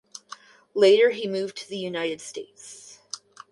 Later he moved to the United States.